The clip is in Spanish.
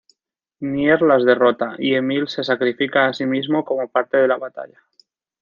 Nier las derrota, y Emil se sacrifica así mismo como parte de la batalla.